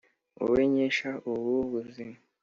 Wowe nkesha ubu buzima